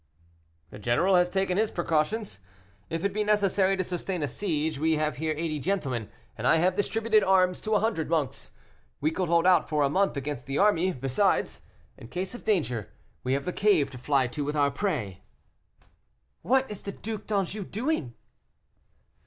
'" "The general has taken his precautions. If it be necessary to sustain a siege, we have here eighty gentlemen, and I have distributed arms to a hundred monks. We could hold out for a month against the army; besides, in case of danger, we have the cave to fly to with our prey." "What is the Duc d'Anjou doing?"